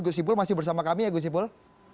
gus ipul masih bersama kami ya gus ipul